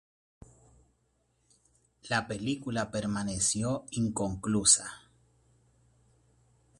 La película permaneció inconclusa.